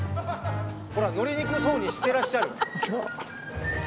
ほら乗りにくそうにしてらっしゃる。